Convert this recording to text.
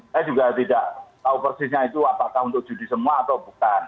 saya juga tidak tahu persisnya itu apakah untuk judi semua atau bukan